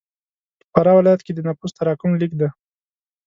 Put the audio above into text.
په فراه ولایت کښې د نفوس تراکم لږ دی.